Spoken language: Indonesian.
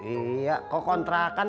iya kok kontrakan